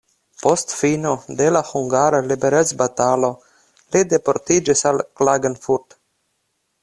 Post fino de la hungara liberecbatalo li deportiĝis al Klagenfurt.